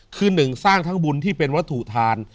คือหนึ่งสร้างทั้งบุญที่เป็นวัตถุทาน